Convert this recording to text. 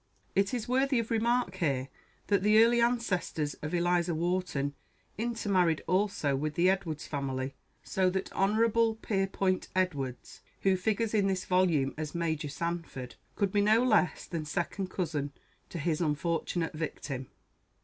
It is worthy of remark here that the early ancestors of "Eliza Wharton" intermarried also with the Edwards family; so that Hon. Pierpont Edwards, who figures in this volume as "Major Sanford," could be no less than second cousin to his unfortunate victim.